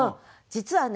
実はね